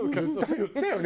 言ったよね？